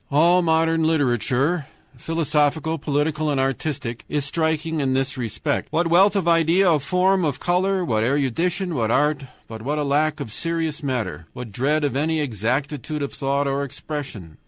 All modern literature philosophical, political, and artistic is striking in this respect. What wealth of idea, of form, of color, what erudition, what art, but what a lack of serious matter, what dread of any exactitude of thought or expression!